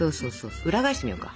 裏返してみようか。